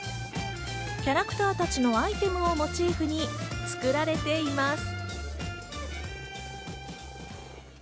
キャラクターたちのアイテムをモチーフに作られています。